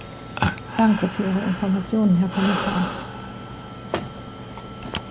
Danke für Ihre Informationen, Herr Kommissar.